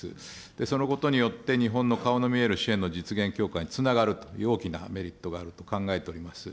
そのことによって、日本の顔の見える支援の実現強化につながるという大きなメリットがあると考えております。